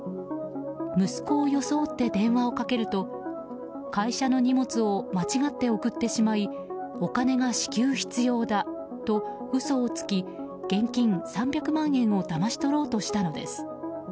息子を装って電話をかけると会社の荷物を間違って送ってしまいお金が至急必要だと嘘をつき現金３００万円をだまし取ろうとしたのです。